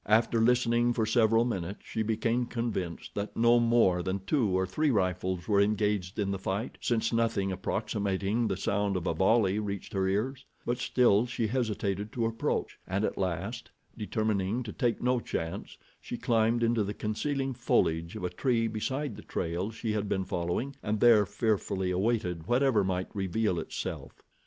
After listening for several minutes she became convinced that no more than two or three rifles were engaged in the fight, since nothing approximating the sound of a volley reached her ears; but still she hesitated to approach, and at last, determining to take no chance, she climbed into the concealing foliage of a tree beside the trail she had been following and there fearfully awaited whatever might reveal itself.